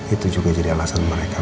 itu juga jadi alasan mereka